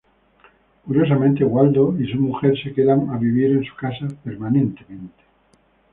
Curiosamente Waldo y su mujer se quedan a vivir en su casa permanentemente.